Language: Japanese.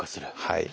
はい。